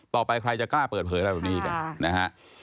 ต่อไปใครจะกล้าเปิดเผยแบบนี้กันนะฮะ